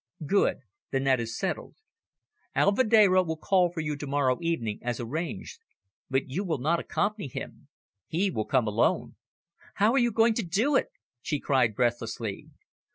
"Good! Then that is settled. Alvedero will call for you to morrow evening as arranged, but you will not accompany him. He will come alone." "How are you going to do it?" she cried breathlessly.